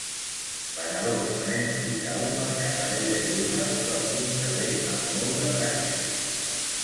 Venedors venent fruita a un mercat a l'aire lliure prop d'un carrer amb molt de trànsit